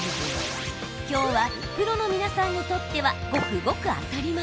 今日はプロの皆さんにとってはごくごく当たり前。